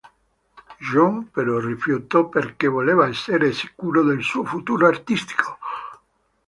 John però rifiutò perché voleva essere sicuro del suo futuro artistico.